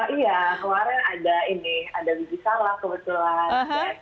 iya kemarin ada biji salak kebetulan